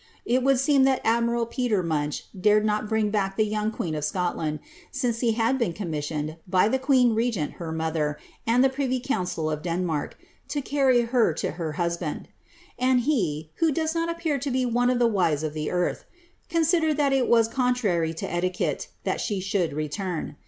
It would seem that admiral Peter Munch dared not bring back the young queen of Scotland, since he had been commissioned, by the queen regent, her mother, and the privy council of Denmark, to carry her to her husband ; and he (who does not appear to be one of the wise of the earth) considered that it was contrary to etiquette that she should return.